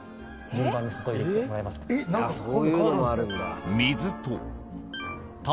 そういうのもあるんだ。